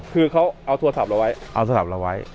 คือเขาเอาโทรศัพท์เราไว้เอาโทรศัพท์เราไว้